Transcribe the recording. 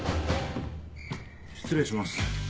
失礼します。